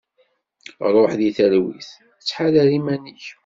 Ruḥ di talwit. Ttḥadar iman-ik.